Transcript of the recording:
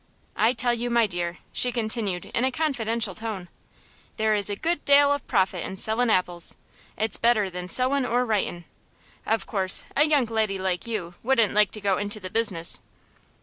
I tell you, my dear," she continued in a confidential tone, "there is a good dale of profit in sellin' apples. It's better than sewin' or writin'. Of course, a young leddy like you wouldn't like to go into the business."